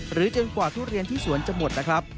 จนกว่าทุเรียนที่สวนจะหมดนะครับ